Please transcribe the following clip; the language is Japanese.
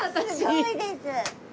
すごいです。